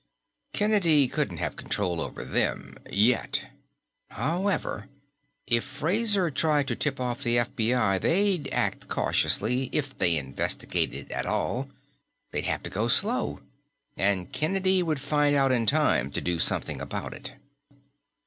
Kennedy couldn't have control over them yet. However, if Fraser tried to tip off the FBI, they'd act cautiously, if they investigated at all. They'd have to go slow. And Kennedy would find out in time to do something about it.